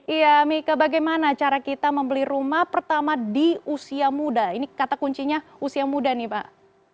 iya mika bagaimana cara kita membeli rumah pertama di usia muda ini kata kuncinya usia muda nih pak